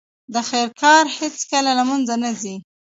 د خیر کار هیڅکله له منځه نه ځي.